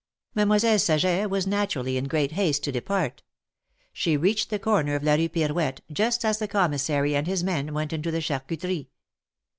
^^ Mademoiselle Saget was naturally in great haste to depart. She reached the corner of la Rue Pirouette just as the Commissary and his men went into the charcuterie.